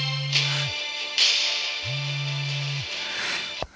「はい。